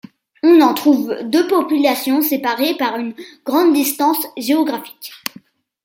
On en trouve deux populations séparées par une grande distance géographique.